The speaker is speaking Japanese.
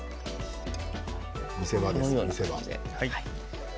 見せ場ですよ、見せ場。